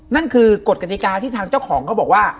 นั่นคือกฎกฎิกาที่ทางเจ้าของเขาบอกว่า